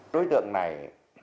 đối tượng này